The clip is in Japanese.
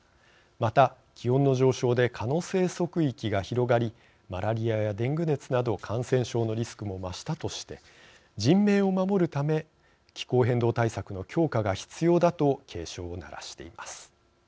また、気温の上昇で蚊の生息域が広がりマラリアやデング熱など感染症のリスクも増したとして人命を守るため気候変動対策の強化が必要だと警鐘を鳴らしています。